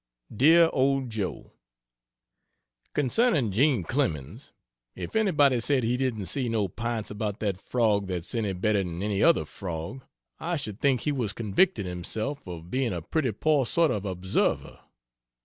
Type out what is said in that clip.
DEAR OLD JOE, Concerning Jean Clemens, if anybody said he "didn't see no pints about that frog that's any better'n any other frog," I should think he was convicting himself of being a pretty poor sort of observer....